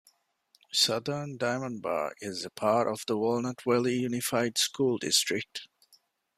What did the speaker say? Southern Diamond Bar is a part of the Walnut Valley Unified School District.